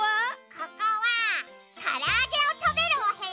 ここはからあげをたべるおへやよ。